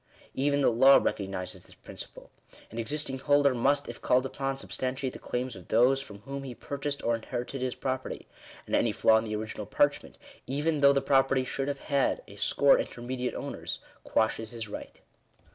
Even the law recognises this principle. An existing holder must, if called upon, substantiate the claims of i 2 Digitized by VjOOQIC 116 THE RIGHT TO THE U8E OF THE EARTH. those from whom he purchased or inherited his property ; and any flaw in the original parchment, even though the property should have had a score intermediate owners, quashes his right.